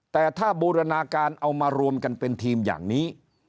แต่ถ้าบูรณาการเอามารวมกันเป็นทีมอย่างนี้